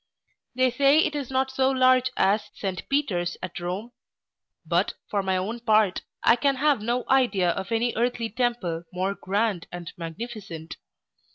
They say it is not so large as, St Peter's at Rome; but, for my own part, I can have no idea of any earthly temple more grand and magnificent.